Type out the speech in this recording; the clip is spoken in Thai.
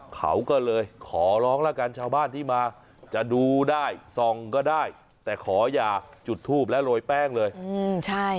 เขาก็เลยขอร้องแล้วกันชาวบ้านที่มาจะดูได้ส่องก็ได้แต่ขออย่าจุดทูปและโรยแป้งเลยอืมใช่